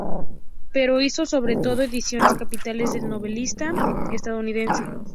Pero hizo sobre todo ediciones capitales del novelista estadounidense.